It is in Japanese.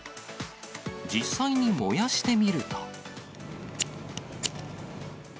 実際に燃やしてみると。